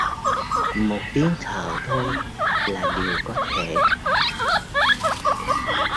Một tiếng thở thôi, là điều có thể